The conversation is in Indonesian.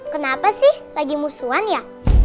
kenapa sih lagi musuhan ya